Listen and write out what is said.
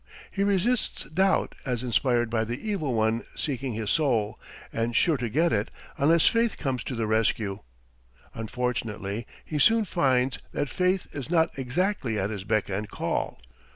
He resists doubt as inspired by the Evil One seeking his soul, and sure to get it unless faith comes to the rescue. Unfortunately he soon finds that faith is not exactly at his beck and call.